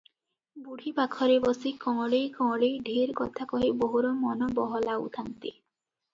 ବୁଢ଼ୀ ପାଖରେ ବସି କଅଁଳେଇ କଅଁଳେଇ ଢେର କଥା କହି ବୋହୂର ମନ ବହଲାଉଥାନ୍ତି ।